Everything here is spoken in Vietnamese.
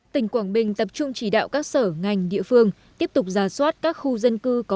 tỉnh quảng bình tập trung chỉ đạo các sở ngành địa phương tiếp tục giả soát các khu dân cư có